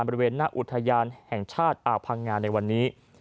บริเวณหน้าอุทยานแห่งชาติอ่าวพังงาในวันนี้